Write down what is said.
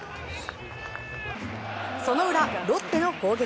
その裏、ロッテの攻撃。